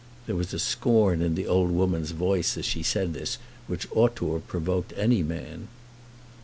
There was a scorn in the old woman's voice as she said this, which ought to have provoked any man.